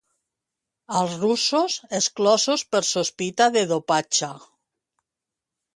Els russos, exclosos per sospita de dopatge.